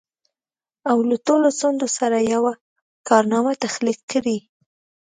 او له ټولو سندونو سره يوه کارنامه تخليق کړي.